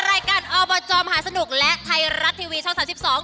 รายการอบจหาสนุกและไทรัตว์ทีวีช่อง๓๒